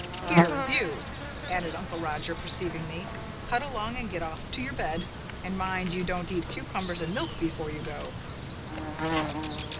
Here, you," added Uncle Roger, perceiving me, "cut along and get off to your bed. And mind you don't eat cucumbers and milk before you go."